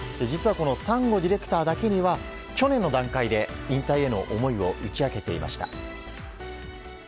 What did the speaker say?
実は三五ディレクターだけには去年の段階で引退への思いを打ち明けていました。